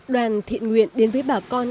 đoàn thiện nguyện đến với nhà trường